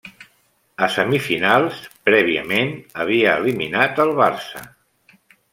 A semifinals, prèviament, havia eliminat el Barça.